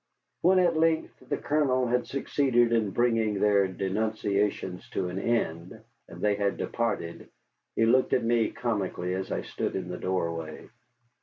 When at length the Colonel had succeeded in bringing their denunciations to an end and they had departed, he looked at me comically as I stood in the doorway.